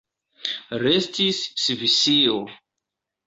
Restis Svisio.